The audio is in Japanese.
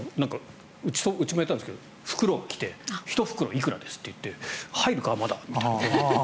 うちもやったんですけど袋が来て１袋いくらですと言って入るか、まだ？みたいな。